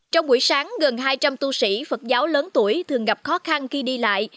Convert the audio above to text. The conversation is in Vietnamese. trong buổi sáng gần hai trăm linh tu sĩ phật giáo lớn tuổi thường gặp khó khăn khi đi lại